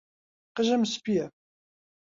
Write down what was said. قژم سپییە.